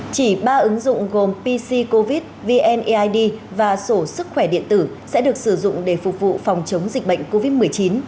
chỉ ba ứng dụng gồm pc covid vneid và sổ sức khỏe điện tử sẽ được sử dụng để phục vụ phòng chống dịch bệnh covid một mươi chín